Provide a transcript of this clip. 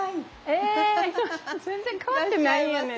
え全然変わってないよね。